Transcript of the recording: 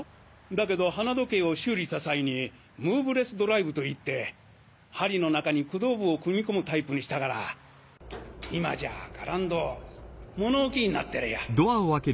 だけど花時計を修理した際にムーブレスドライブと言って針の中に駆動部を組み込むタイプにしたから今じゃがらんどう物置になってるよ。